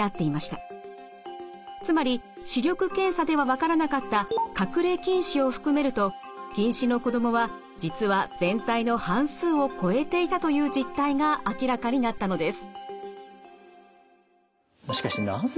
つまり視力検査では分からなかった隠れ近視を含めると近視の子どもは実は全体の半数を超えていたという実態が明らかになったのです。